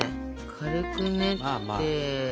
軽く練って。